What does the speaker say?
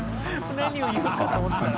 何を言うかと思ったら。